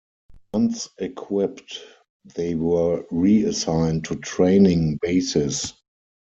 Once equipped, they were reassigned to training bases.